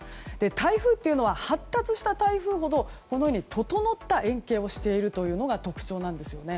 台風というのは発達した台風ほど整った円形をしているのが特徴です。